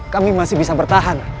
kami masih bisa bertahan